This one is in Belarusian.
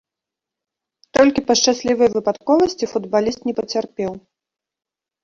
Толькі па шчаслівай выпадковасці футбаліст не пацярпеў.